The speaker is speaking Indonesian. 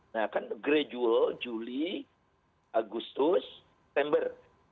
nah kan agradual juli agustus september